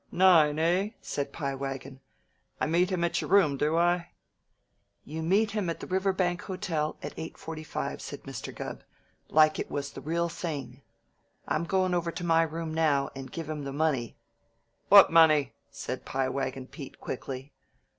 "Nine, eh?" said Pie Wagon. "I meet him at your room, do I?" "You meet him at the Riverbank Hotel at eight forty five," said Mr. Gubb. "Like it was the real thing. I'm goin' over to my room now, and give him the money " "What money?" asked Pie Wagon Pete quickly.